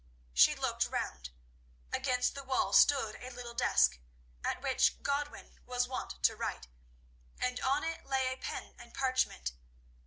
She looked round. Against the wall stood a little desk, at which Godwin was wont to write, and on it lay pen and parchment.